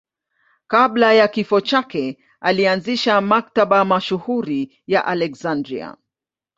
Kabla ya kifo chake alianzisha Maktaba mashuhuri ya Aleksandria.